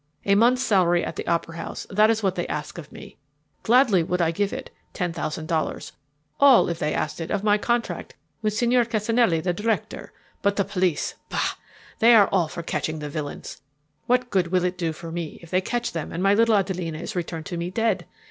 A month's salary at the opera house, that is what they ask of me. Gladly would I give it, ten thousand dollars all, if they asked it, of my contract with Signor Cassinelli, the director. But the police bah! they are all for catching the villains. What good will it do me if they catch them and my little Adelina is returned to me dead?